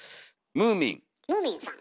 ムーミンさん。